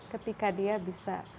ketika dia bisa